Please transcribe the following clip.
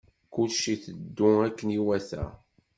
Kullec iteddu akken iwata.